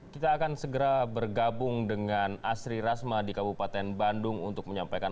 kita akan segera bergabung dengan asri rasma di kabupaten bandung untuk menyampaikan